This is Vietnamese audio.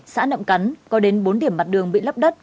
xã nậm cắn có đến bốn điểm mặt đường bị lấp đất